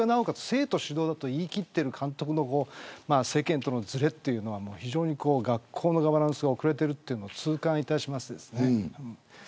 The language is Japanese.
生徒主導と言い切っている監督の世間とのずれが学校のガバナンスが遅れているというのを痛感いたします。